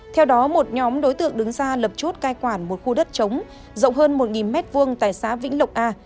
theo đó một nhóm đối tượng đứng ra lập chốt cai quản một khu đất chống rộng hơn một m hai tại xã vĩnh lộc a